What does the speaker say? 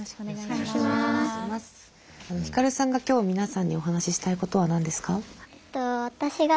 ひかるさんが今日皆さんにお話ししたいことは何ですか？